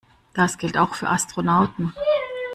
Das gilt auch für Astronauten.